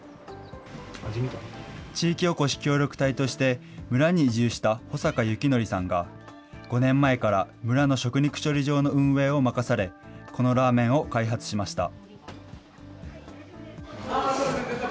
地域おこし協力隊として、村に移住した保坂幸徳さんが５年前から村の食肉処理場の運営を任され、このラーメンを開発しました。